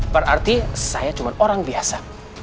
berarti saya cuma orang biasa